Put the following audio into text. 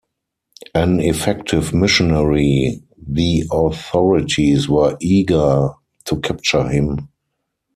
An effective missionary, the authorities were eager to capture him.